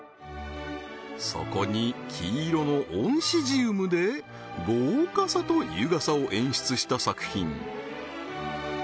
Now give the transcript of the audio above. そこに黄色のオンシジウムで豪華さと優雅さを演出した作品